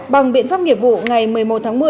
bằng biện pháp nghiệp vụ ngày một mươi một tháng một mươi